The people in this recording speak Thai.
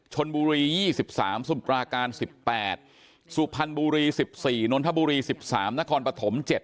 ชนบุรี๒๓สมุปราการ๑๘สุพรรณบุรี๑๔นนทบุรี๑๓นครปฐม๗